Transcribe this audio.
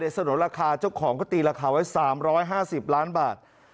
สนุนราคาเจ้าของก็ตีราคาไว้๓๕๐ล้านบาท